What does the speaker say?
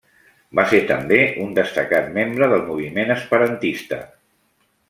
Va ser també un destacat membre del moviment esperantista.